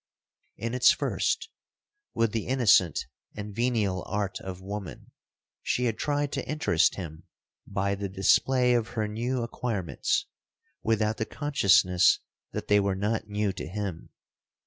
'In its first, with the innocent and venial art of woman, she had tried to interest him by the display of her new acquirements, without the consciousness that they were not new to him.